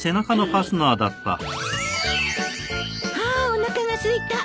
あおなかがすいた。